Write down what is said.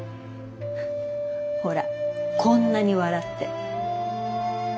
ほらこんなに笑って。